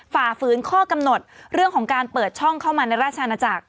ฝ่าฝืนข้อกำหนดเรื่องของการเปิดช่องเข้ามาในราชอาณาจักร